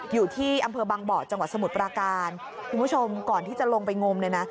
อยู่ที่อำเภอบางบ่อจังหวัดสมุทรปราการคุณผู้ชมก่อนที่จะลงไปงมเนี่ยนะ